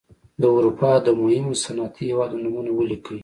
د اروپا د مهمو صنعتي هېوادونو نومونه ولیکئ.